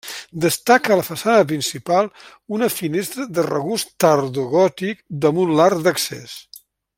Destaca a la façana principal una finestra de regust tardogòtic damunt l'arc d'accés.